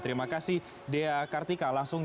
terima kasih dea kartika langsung